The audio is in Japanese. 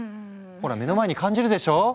ほら目の前に感じるでしょう？